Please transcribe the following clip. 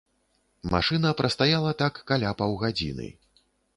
Машына прастаяла так каля паўгадзіны.